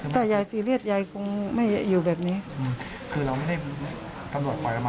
ถ้ายายซีเรียสยายคงไม่อยู่แบบนี้คือเราไม่ได้ตำรวจปล่อยออกมา